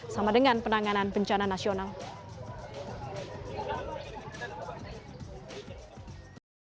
sama dengan penanganan bencana di lombok